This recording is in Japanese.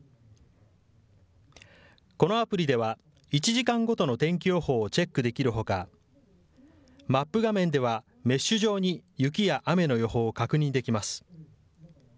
このアプリでは１時間ごとの天気予報をチェックできるほかマップ画面ではメッシュ状に雪や雨の予報を確認できます。